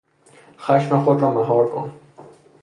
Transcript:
خشم خود را مهار کن!